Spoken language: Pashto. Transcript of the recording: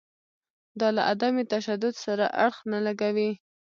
دا له عدم تشدد سره اړخ نه لګوي.